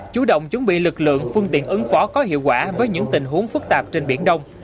chủ động chuẩn bị lực lượng phương tiện ứng phó có hiệu quả với những tình huống phức tạp trên biển đông